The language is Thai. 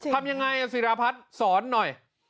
ทำยังไงนะสิราพัดสอนหน่อย